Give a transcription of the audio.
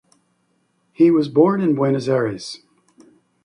He was born in Buenos Aires.